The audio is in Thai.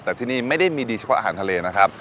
แต่ที่นี่ไม่ได้มีดีเฉพาะอาหารทะเลนะครับ